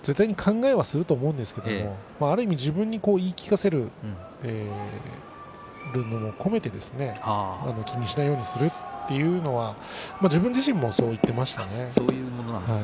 考えはすると思うんですがある意味、自分に言い聞かせるそれも込めて気にしないようにするというのは自分自身もそう言っていましたね。